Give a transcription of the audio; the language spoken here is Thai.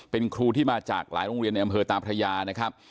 เป็นครูที่มาจากหลายโรงเรียนในอำเภอตาพระยานะครับ